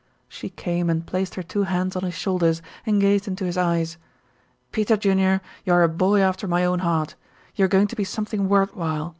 She came and placed her two hands on his shoulders and gazed into his eyes. "Peter Junior, you are a boy after my own heart. You are going to be something worth while.